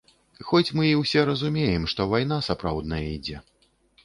Хоць мы і ўсе разумеем, што вайна сапраўдная ідзе.